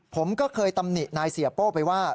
ผมก็เคยตำหนินายเสียโป้ไปว่า